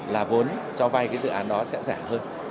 là vốn cho vay dự án đó sẽ rẻ hơn